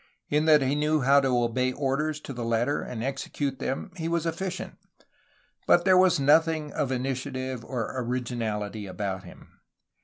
In that he knew how to obey orders to the letter and execute them he was efficient, but there was nothing of initiative or originality about him.